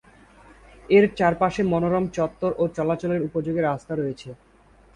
এর চারপাশে মনোরম চত্বর ও চলাচলের উপযোগী রাস্তা রয়েছে।